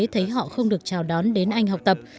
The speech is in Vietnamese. thấy họ không được chào đón đến anh học tập